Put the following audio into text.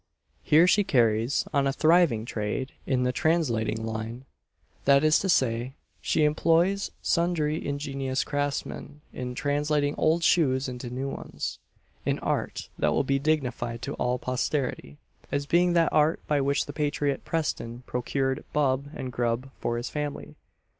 Here she carries on a thriving trade in the "translating line," that is to say, she employs sundry ingenious craftsmen in translating old shoes into new ones an art that will be dignified to all posterity, as being that art by which the patriot PRESTON procured bub and grub for his family.